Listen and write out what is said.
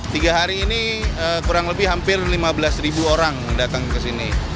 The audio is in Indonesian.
tiga hari ini kurang lebih hampir lima belas ribu orang datang ke sini